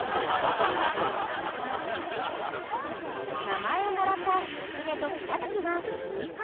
［名前をもらったつくねとしらたきは６日目］